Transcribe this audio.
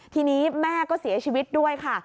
ทีนี้แม่ก็เสียชีวิตด้วยค่ะ